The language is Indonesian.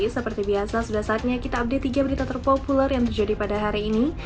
seperti biasa sudah saatnya kita update tiga berita terpopuler yang terjadi pada hari ini